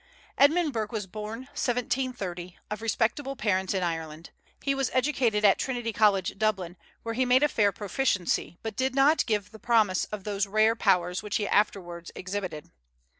Edmund Burke was born, 1730, of respectable parents in Ireland. He was educated at Trinity College, Dublin, where he made a fair proficiency, but did not give promise of those rare powers which he afterwards exhibited.